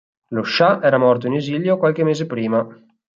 Lo scià era morto in esilio qualche mese prima.